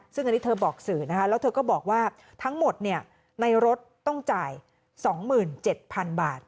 ซึ่งอันนี้เธอบอกสื่อนะคะแล้วเธอก็บอกว่าทั้งหมดในรถต้องจ่าย๒๗๐๐๐บาท